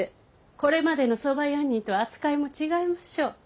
これまでの側用人とは扱いも違いましょう。